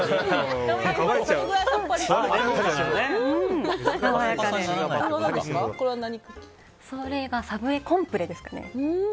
それはサブイコンプレですかね。